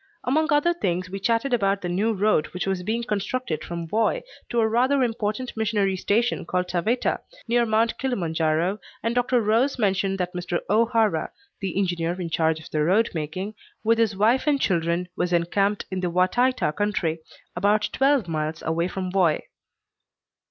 Amongst other things we chatted about the new road which was being constructed from Voi to a rather important missionary station called Taveta, near Mount Kilima N'jaro, and Dr. Rose mentioned that Mr. O'Hara (the engineer in charge of the road making), with his wife and children, was encamped in the Wa Taita country, about twelve miles away from Voi.